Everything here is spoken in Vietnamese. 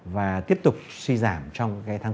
và tiếp tục suy giảm trong tháng bốn